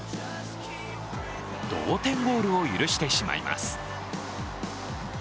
同点ゴールを許してしまいます。